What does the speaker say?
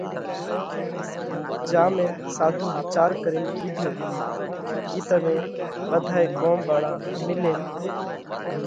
جيا ۾ ساڌُو ويچار ڪرين ڪيڌو ڪي تمي ٻڌائي ڳوم واۯا ملينَ